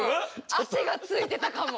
汗がついてたかも。